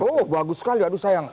oh bagus sekali aduh sayang